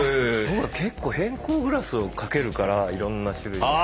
僕は結構偏光グラスを掛けるからいろんな種類の。